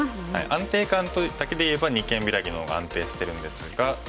安定感だけで言えば二間ビラキの方が安定してるんですが。